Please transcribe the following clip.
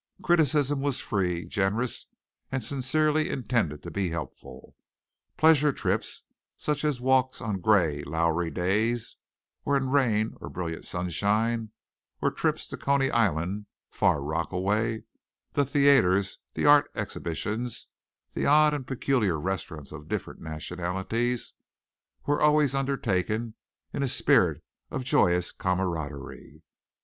Criticism was free, generous, and sincerely intended to be helpful. Pleasure trips, such as walks on grey, lowery days, or in rain or brilliant sunshine, or trips to Coney Island, Far Rockaway, the theatres, the art exhibitions, the odd and peculiar restaurants of different nationalities, were always undertaken in a spirit of joyous camaraderie.